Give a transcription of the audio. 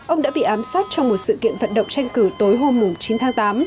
ông đã bị ám sát trong một sự kiện vận động tranh cử tối hôm chín tháng tám